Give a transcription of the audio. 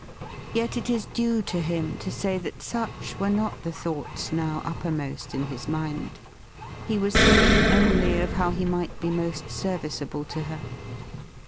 Yet it is due to him to say that such were not the thoughts now uppermost in his mind. He was thinking only of how he might be most serviceable to her.